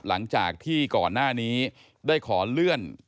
หลังจากที่ก่อนหน้านี้ได้ขอเลื่อน